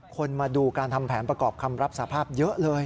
มาดูการทำแผนประกอบคำรับสภาพเยอะเลย